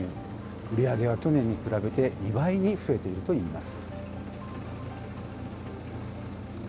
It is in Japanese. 売り上げは去年に比べて２倍に増えているといいます。